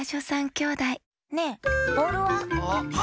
きょうだいねえボールは？